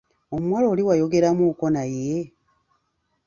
Omuwala oli wayogeremuuko naye?